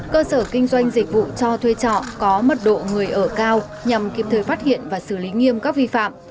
cơ sở kinh doanh dịch vụ cho thuê trọ có mật độ người ở cao nhằm kiếm thời phát hiện và xử lý nghiêm các vi phạm